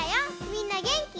みんなげんき？